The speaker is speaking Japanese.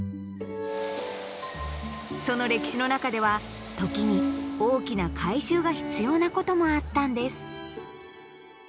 その歴史の中では時に大きな改修が必要なこともあったんです。